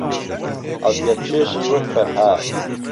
عهزیەتکێشی وهک فهرهاد